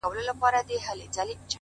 ژر سه ژورناليست يې اوس دې ټول پېژني!!